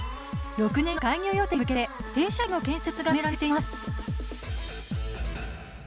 ６年後の開業予定に向けて停車駅の建設が進められています。